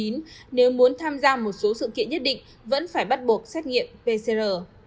nếu muốn tham gia một số sự kiện nhất định vẫn phải bắt buộc xét nghiệm pcr